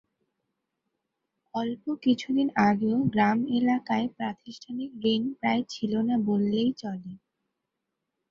অল্প কিছুদিন আগেও গ্রাম এলাকায় প্রাতিষ্ঠানিক ঋণ প্রায় ছিল না বললেই চলে।